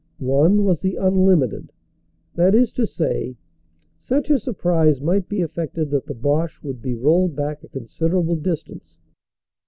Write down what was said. One was the unlimited ; that is to say, such a surprise might be effected that the Boche would be rolled back a considerable distance.